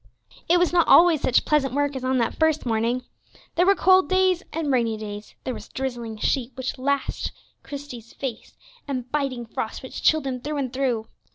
It was not always such pleasant work as on that first morning. There were cold days and rainy days; there was drizzling sleet, which lashed Christie's face; and biting frost, which chilled him through and through.